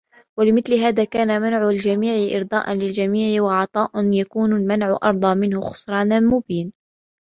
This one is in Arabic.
وَلِمِثْلِ هَذَا كَانَ مَنْعُ الْجَمِيعِ إرْضَاءً لِلْجَمِيعِ وَعَطَاءً يَكُونُ الْمَنْعُ أَرْضَى مِنْهُ خُسْرَانُ مُبِينٌ